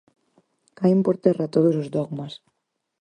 Caen por terra todos os dogmas.